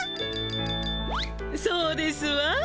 そうですわ。